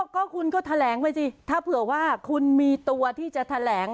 ก็คุณก็แถลงไปสิถ้าเผื่อว่าคุณมีตัวที่จะแถลง